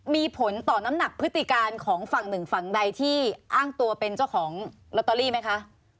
มีผลต่อน้ำหนักพฤติการของฝั่งหนึ่งฝั่งใดที่อ้างตัวเป็นเจ้าของลอตเตอรี่ไหมคะ